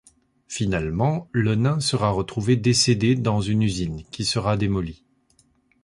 Finalement le nain sera retrouvé décédé dans une usine qui sera démolie.